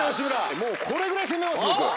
もうこれぐらい攻めます僕。